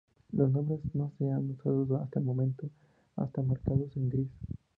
Los nombres que no se han usado hasta el momento están marcados en gris.